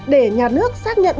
để nhà nước xác nhận